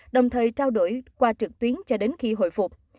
đồng thời trao đổi qua trực tuyến cho đến khi hồi phục